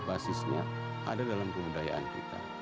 basisnya ada dalam kebudayaan kita